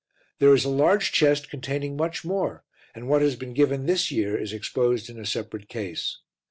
There is a large chest containing much more and what has been given this year is exposed in a separate case.